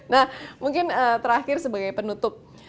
nah mungkin terakhir sebagai penutup